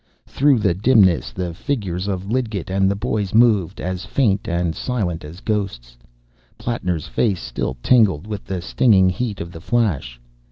Through the dimness the figures of Lidgett and the boys moved, as faint and silent as ghosts. Plattner's face still tingled with the stinging heat of the flash.